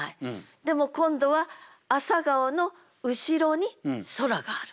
でも今度は「朝顔」の後ろに空がある。